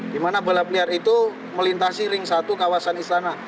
di mana balap liar itu melintasi ring satu kawasan istana